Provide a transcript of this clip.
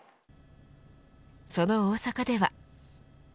その大阪では。